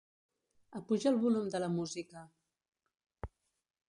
Apuja el volum de la música.